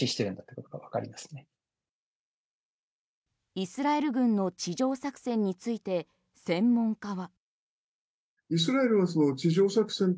イスラエル軍の地上作戦について専門家は。